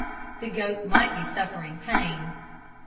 The goat might be suffering pain.